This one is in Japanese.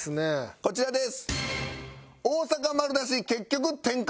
こちらです。